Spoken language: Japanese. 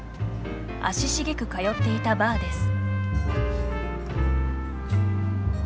足しげく通っていたバーです。